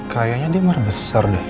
kayaknya kalo bisexual dari besar dong